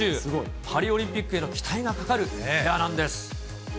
パリオリンピックへの期待がかかるペアなんです。